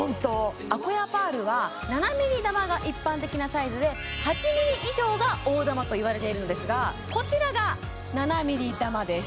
アコヤパールは７ｍｍ珠が一般的なサイズで８ｍｍ以上が大珠といわれているのですがこちらが７ｍｍ珠です